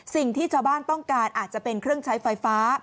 สิ่งที่ชาวบ้านต้องการอาจจะเป็นเครื่องใช้ไฟฟ้า